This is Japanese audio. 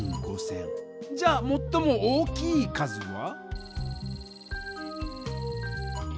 じゃあもっとも大きい数は？